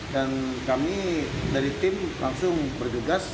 dan kami dari tim langsung berdugas